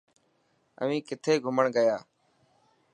اوهين کٿي گھمڻ گيا.